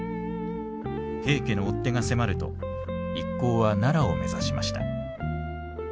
平家の追っ手が迫ると一行は奈良を目指しました。